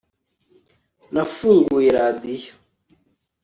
nafunguye radiyo